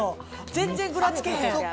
全然ぐらつけへん。